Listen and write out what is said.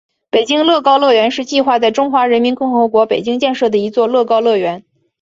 北京乐高乐园是计划在中华人民共和国北京建设的一座乐高乐园。